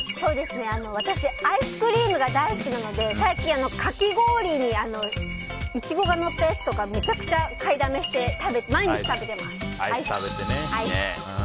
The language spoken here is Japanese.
私、アイスクリームが大好きなので最近、かき氷にイチゴがのったやつとかめちゃくちゃ買いだめして毎日、食べてます。